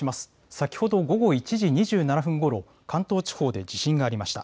先ほど午後１時２７分ごろ関東地方で地震がありました。